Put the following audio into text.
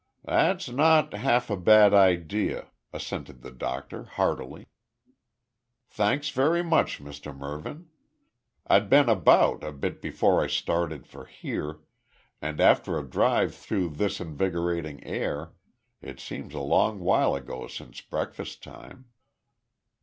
"That's not half a bad idea," assented the doctor heartily. "Thanks very much, Mr Mervyn. I'd been about a bit before I started for here, and after a drive through this invigorating air, it seems a long while ago since breakfast time."